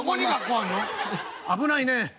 危ないね。